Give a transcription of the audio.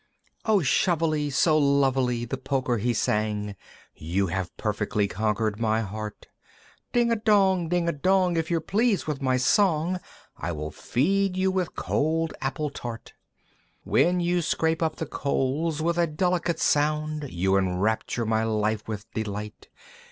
II. "O Shovely so lovely!" the Poker he sang, "You have perfectly conquered my heart! "Ding a dong! Ding a dong! If you're pleased with my song "I will feed you with cold apple tart! "When you scrape up the coals with a delicate sound, "You enrapture my life with delight!